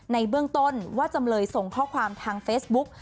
ในเบื้องต้นว่าจำเลยส่งข้อความทางเฟซบุ๊ก